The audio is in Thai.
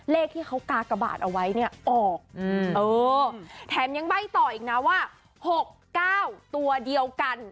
เลขที่เขากากระบาดเอาไว้เนี่ยออกอืมเออแถมยังใบ้ต่ออีกน่ะว่าหกเก้าตัวเดียวกัน